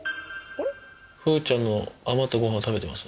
風ちゃんの余ったごはん食べてます。